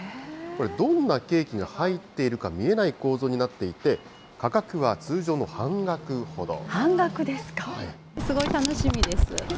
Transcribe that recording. これ、どんなケーキが入っているか見えない構造になっていて、価格は通常の半額ほど。